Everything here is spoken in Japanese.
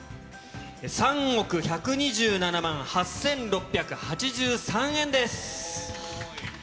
３億１２７万８６８３円です。